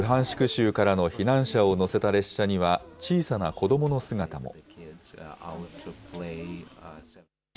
州からの避難者を乗せた列車には、小さな子どもの姿も。